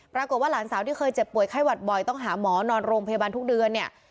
หลานสาวที่เคยเจ็บป่วยไข้หวัดบ่อยต้องหาหมอนอนโรงพยาบาลทุกเดือนเนี่ย